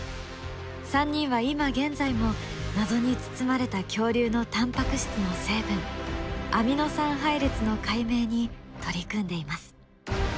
３人は今現在も謎に包まれた恐竜のタンパク質の成分アミノ酸配列の解明に取り組んでいます。